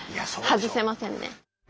外せませんね。